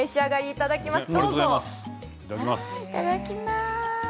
いただきます。